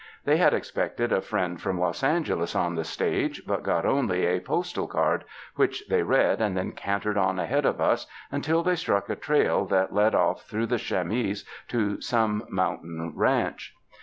They had expected a friend from Los Angeles on the stage ; but got only a pos tal card, which they read, and then cantered on ahead of us until they struck a trail that led off through the chamise to some mountain ranch.